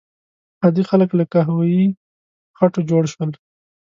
عادي خلک له قهوه یي خټو جوړ شول.